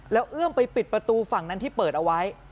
แล้วเอื้อมไปปิดประตูฝั่งนั้นที่เปิดเอาไว้